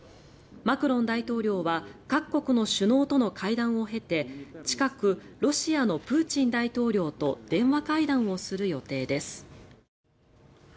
マクロン大統領は各国の首脳との会談を経て近くロシアのプーチン大統領と電話会談をする予定です。